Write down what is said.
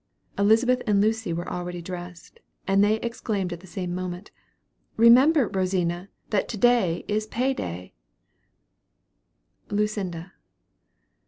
Elizabeth and Lucy were already dressed, and they exclaimed at the same moment, "Remember, Rosina, that to day is pay day." LUCINDA.